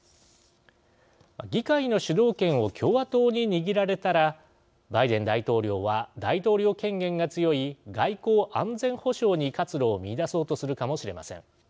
議会の主導権を共和党に握られたらバイデン大統領は大統領権限が強い外交安全保障に活路を見いだそうとするかもしれません。